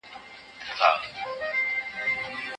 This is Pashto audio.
که موږ خپله ژبه ولیکو نو د هېرېدو وېره نشته.